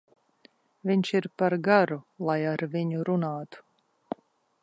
Viņš ir par garu, lai ar viņu runātu.